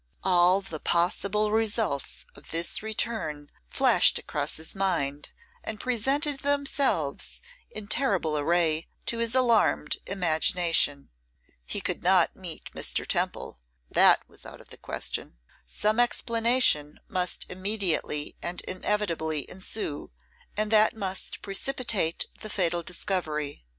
All the possible results of this return flashed across his mind, and presented themselves in terrible array to his alarmed imagination. He could not meet Mr. Temple; that was out of the question. Some explanation must immediately and inevitably ensue, and that must precipitate the fatal discovery.